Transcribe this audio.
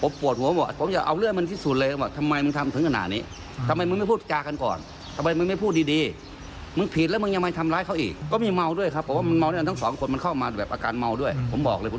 ก็อย่างที่ลุงกายังบอก